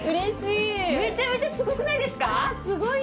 めちゃめちゃすごくないですか？